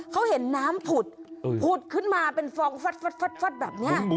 เขาเห็นน้ำผุดผุดขึ้นมาเป็นฟองฟัดแบบนี้